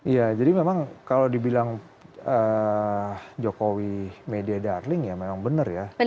iya jadi memang kalau dibilang jokowi media darling ya memang benar ya